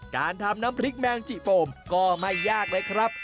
การทำน้ำพริกแมงจิโปมก็ไม่ยากเลยครับ